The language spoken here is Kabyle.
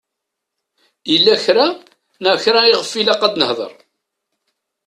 Yella kra neɣ kra iɣef ilaq ad nehder.